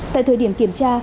tại thời điểm kiểm tra